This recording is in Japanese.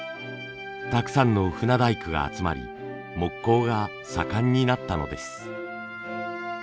たくさんの船大工が集まり木工が盛んになったのです。